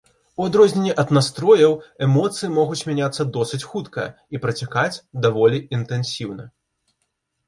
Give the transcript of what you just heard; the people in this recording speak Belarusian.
У адрозненне ад настрояў, эмоцыі могуць мяняцца досыць хутка і працякаць даволі інтэнсіўна.